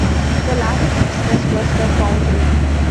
The largest business was a foundry.